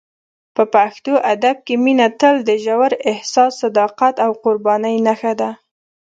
په پښتو ادب کې مینه تل د ژور احساس، صداقت او قربانۍ نښه ده.